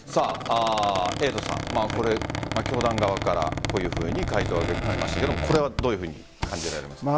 エイトさん、教団側からこういうふうに回答を挙げてきましたがこれはどういうふうに感じられますか？